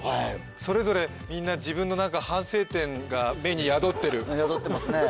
それぞれみんな自分の反省点が目に宿ってる宿ってますね